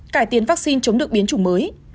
cải tiến vaccine chống được biến chủng mới